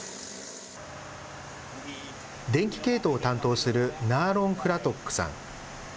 電気系統を担当するナーロン・クラトックさん。